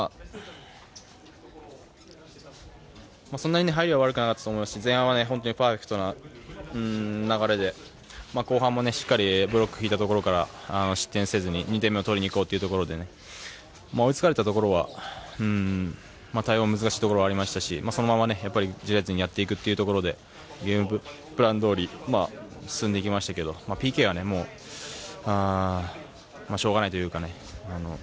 そんなに入りは悪くなかったと思いますし前半はパーフェクトな流れで後半もしっかりブロックを敷いたところから失点せずに２点目を取りにいこうというところで追いつかれたところは対応が難しいところはありましたしそのままやっていくというところでゲームプランどおり進んでいきましたがＰＫはしょうがないというか。